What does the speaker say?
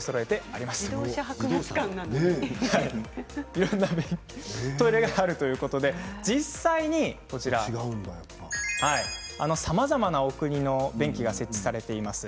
いろいろなトイレがあるということで実際にさまざまな国の便器が設置されています。